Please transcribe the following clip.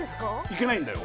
いけないんだよ